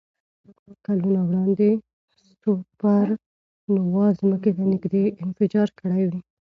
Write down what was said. کلونه وړاندې سوپرنووا ځمکې ته نږدې انفجار کړی وي.